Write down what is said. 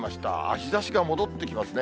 日ざしが戻ってきますね。